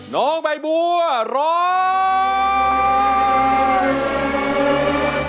น้องใบบัวร้อง